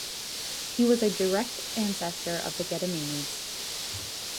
He was a direct ancestor of the Gediminids.